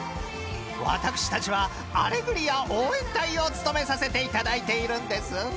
［私たちは「アレグリアおうえん隊」を務めさせていただいているんです］